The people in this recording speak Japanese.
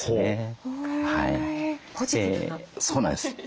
そうなんです。